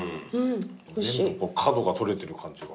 全部角が取れてる感じが。